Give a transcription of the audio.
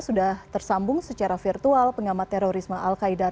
sudah tersambung secara virtual pengamat terorisme al qaidar